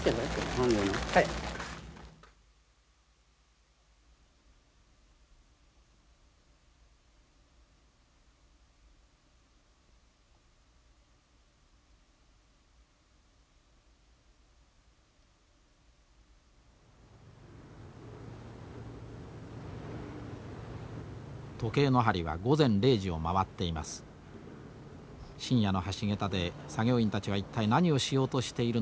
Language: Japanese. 深夜の橋桁で作業員たちは一体何をしようとしているのでしょうか。